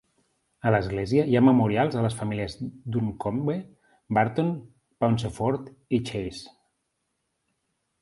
A l"església hi ha memorials a les famílies Duncombe, Barton, Pauncefort i Chase.